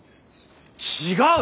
違う！